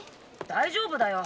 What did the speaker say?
大丈夫だよ。